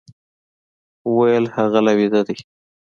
وويل هغه لا ويده دی.